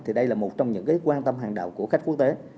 thì đây là một trong những quan tâm hàng đạo của khách quốc tế